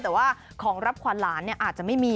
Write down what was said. แต่ว่าของรับขวานหลานอาจจะไม่มี